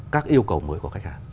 các yêu cầu mới của khách hàng